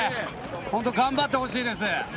本当に頑張ってほしいです。